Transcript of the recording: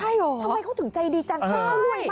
ใช่เหรอทำไมเขาถึงใจดีจังใช่